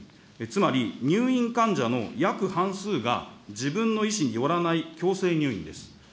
つまり入院患者の約半数が、自分の意思によらない強制入院です。